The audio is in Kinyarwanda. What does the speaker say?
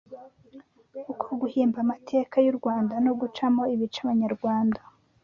Uko guhimba amateka y’u Rwanda no gucamo ibice abanyarwanda